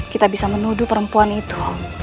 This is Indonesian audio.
kita bisa menuduh perempuan itu